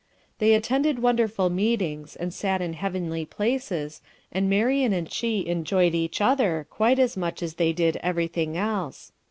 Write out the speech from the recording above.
They attended wonderful meetings, and sat in heavenly places, and Marian and she enjoyed each other quite as much as they did everything else.